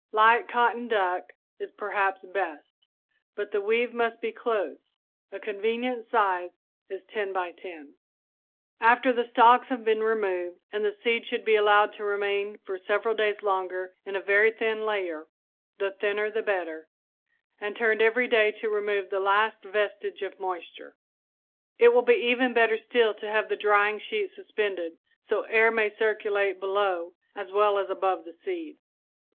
Light cotton duck is perhaps best, but the weave must be close. A convenient size is 10 x 10 feet. After the stalks have been removed the seed should be allowed to remain for several days longer in a very thin layer the thinner the better and turned every day to remove the last vestige of moisture. It will be even better still to have the drying sheet suspended so air may circulate below as well as above the seed.